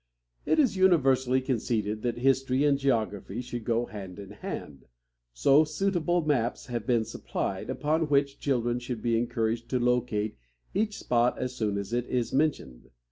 It is universally conceded that history and geography should go hand in hand; so suitable maps have been supplied, upon which children should be encouraged to locate each spot as soon as it is mentioned.